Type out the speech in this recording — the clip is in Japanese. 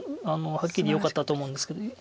はっきりよかったと思うんですけど。